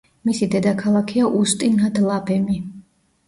მისი დედაქალაქია უსტი-ნად-ლაბემი.